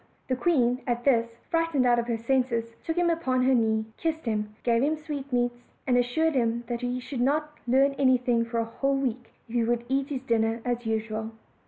The queen at this, frightened out of her senses, took him upon her knee, kissed him, gave him sweetmeats, and assured him that he should not learn anything for a whole week, if he would eat his dinner as usual.